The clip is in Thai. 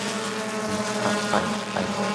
รวมหักไป